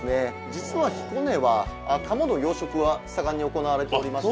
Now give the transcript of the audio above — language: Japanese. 実は彦根は鴨の養殖は盛んに行われておりまして。